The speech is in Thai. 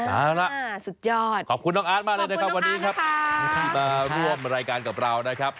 เอาล่ะสุดยอดขอบคุณน้องอาร์ตมากเลยนะครับวันนี้ครับที่มาร่วมรายการกับเรานะครับ